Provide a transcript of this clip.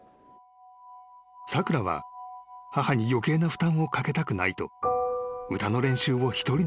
［さくらは母に余計な負担をかけたくないと］